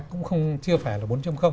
cũng không chưa phải là bốn